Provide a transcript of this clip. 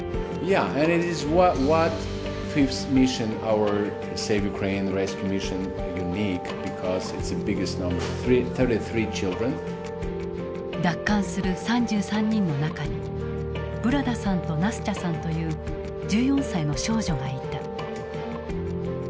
ウクライナでは奪還する３３人の中にブラダさんとナスチャさんという１４歳の少女がいた。